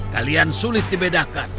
kalian sulit dibedakan